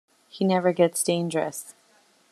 He never gets dangerous.